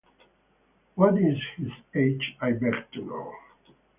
What is his age, I beg to know!